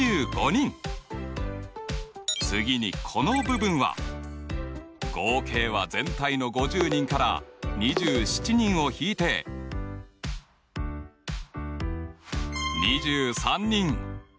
次にこの部分は合計は全体の５０人から２７人を引いて２３人。